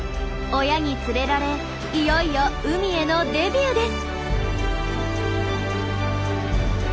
親に連れられいよいよ海へのデビューです。